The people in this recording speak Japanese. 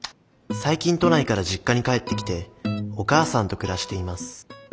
最近都内から実家に帰ってきてお母さんと暮らしています